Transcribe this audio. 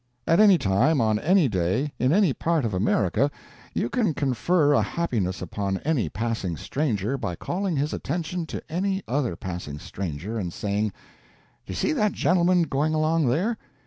At any time, on any day, in any part of America, you can confer a happiness upon any passing stranger by calling his attention to any other passing stranger and saying: "Do you see that gentleman going along there?